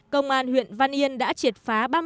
công an huyện huấn yên đã triệt phá